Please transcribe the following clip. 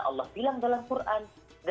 allah bilang dalam quran